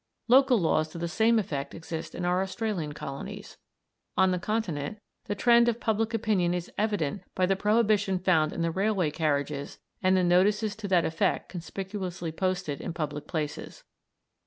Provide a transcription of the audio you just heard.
Local rules to the same effect exist in our Australian colonies. On the Continent the trend of public opinion is evident by the prohibition found in the railway carriages and the notices to that effect conspicuously posted in public places.